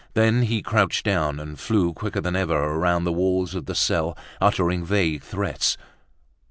Then he crouched down and flew quicker than ever around the walls of the cell, uttering vague threats.